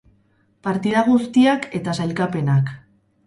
Partida guztiak eta sailkapenak.